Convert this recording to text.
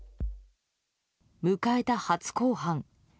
迎えた初公判。